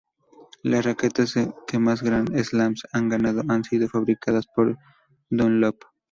Las raquetas que más Grand Slams han ganado han sido fabricadas por Dunlop.